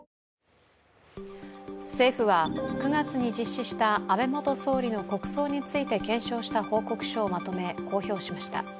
政府は９月に実施した安倍元総理の国葬について検証した報告書をまとめ、公表しました。